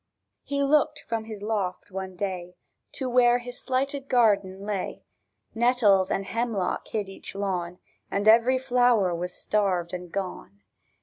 He lookèd from his loft one day To where his slighted garden lay; Nettles and hemlock hid each lawn, And every flower was starved and gone.